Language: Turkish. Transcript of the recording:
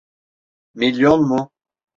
Milyon mu?